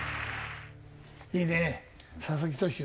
いいね佐々木投手。